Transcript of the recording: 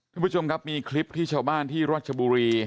ท่านผู้ชมครับมีคลิปที่ชาวบ้านที่รัชบุรี